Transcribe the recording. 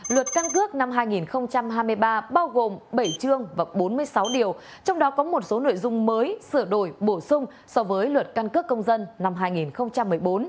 luật căn cước năm hai nghìn hai mươi ba bao gồm bảy chương và bốn mươi sáu điều trong đó có một số nội dung mới sửa đổi bổ sung so với luật căn cước công dân năm hai nghìn một mươi bốn